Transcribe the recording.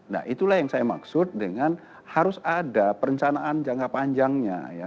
nah itulah yang saya maksud dengan harus ada perencanaan jangka panjangnya ya